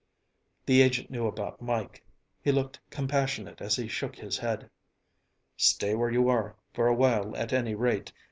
The agent knew about Mike; he looked compassionate as he shook his head. "Stay where you are, for a while at any rate.